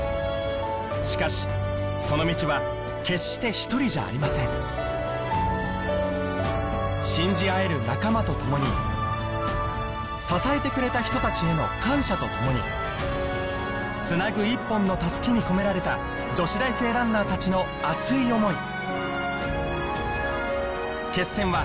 しかしその道は決して一人じゃありません信じ合える仲間とともに支えてくれた人たちへの感謝とともにつなぐ一本の襷に込められた女子大生ランナーたちの熱い思い